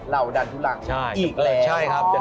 เราดันทุรังอีกแล้ว